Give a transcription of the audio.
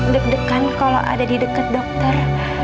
deg degan kalau ada di dekat dokter